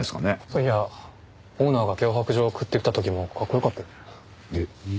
そういやオーナーが脅迫状を送ってきた時もかっこよかったよね。